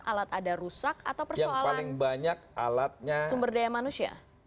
alat ada rusak atau persoalan sumber daya manusia